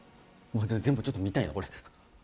全部ちょっと見たいなこれ。